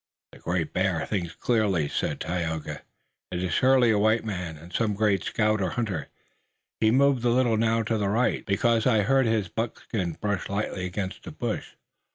"The Great Bear thinks clearly," said Tayoga. "It is surely a white man and some great scout or hunter. He moved a little now to the right, because I heard his buckskin brush lightly against a bush.